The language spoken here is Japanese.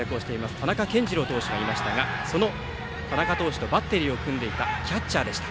田中健二朗投手がいましたが、その田中投手とバッテリーを組んでいたキャッチャーでした。